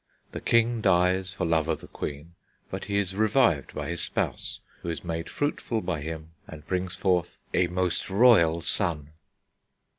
The king dies for love of the queen, but he is revived by his spouse, who is made fruitful by him and brings forth "a most royal son."